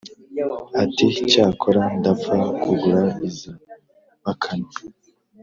ati: ‘cyakora ndapfa kugura iza bakame.’